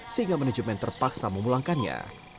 sehingga manajemen terpaksa memulangkannya